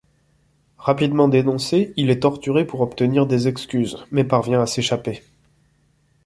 Rapidement dénoncé, il est torturé pour obtenir des excuses, mais parvient à s'échapper.